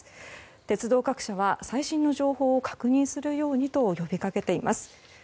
鉄道各社は最新の情報を確認するようにと呼びかけています。